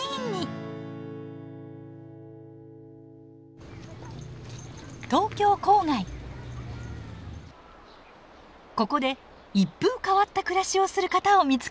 ここで一風変わった暮らしをする方を見つけました。